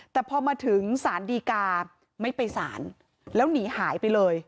แต่พอมาถึงสารดีกาไม่ไปสารแล้วหนีหายไปเลย